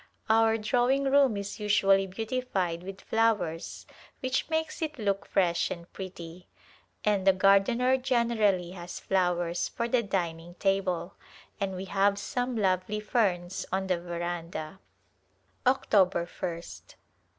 Our drawing room is usually beautified with flowers which makes it look fresh and pretty, and the gardener generally has flowers for the dining table, and we have some lovely ferns on the veranda. October 1st.